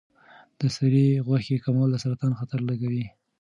د سرې غوښې کمول د سرطان خطر لږوي.